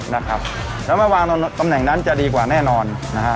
แล้วมาวางตำแหน่งนั้นจะดีกว่าแน่นอน